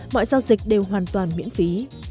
mọi giao dịch đều hoàn toàn miễn phí